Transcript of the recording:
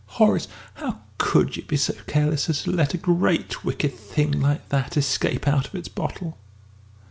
"Horace, how could you be so careless as to let a great wicked thing like that escape out of its bottle?"